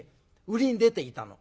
売りに出ていたの。